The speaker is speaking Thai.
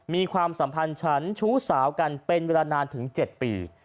ความสัมพันธ์ฉันชู้สาวกันเป็นเวลานานถึง๗ปี